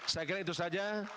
saya kira itu saja